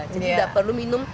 jadi tidak perlu minum